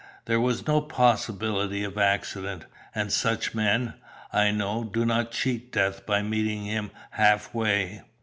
There was no possibility of accident, and such men, I know, do not cheat death by meeting him half way.